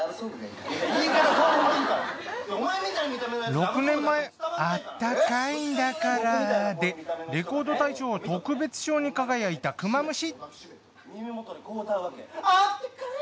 ６年前あったかいんだからぁでレコード大賞特別賞に輝いたクマムシ。